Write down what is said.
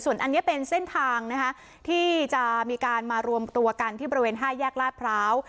อันนี้เป็นเส้นทางนะคะที่จะมีการมารวมตัวกันที่บริเวณ๕แยกลาดพร้าว